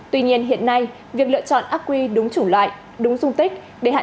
tuy nhiên hiện nay việc lựa chọn ác quy đúng chủ loại đúng dung tích